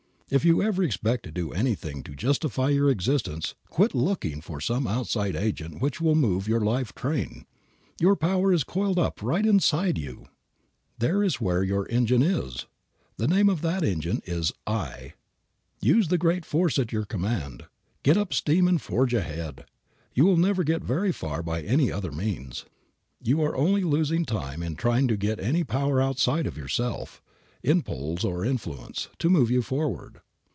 If you ever expect to do anything to justify your existence, quit looking for some outside agent which will move your life train. Your power is coiled up right inside of you. There is where your engine is. The name of that engine is I. Use the great force at your command. Get up steam and forge ahead. You will never get very far by any other means. You are only losing time in trying to get any power outside of yourself, in pulls or influence, to move you forward.